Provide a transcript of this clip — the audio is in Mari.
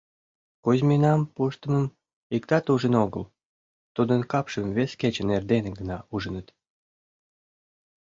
Кузьминам пуштмым иктат ужын огыл, тудын капшым вес кечын эрдене гына ужыныт.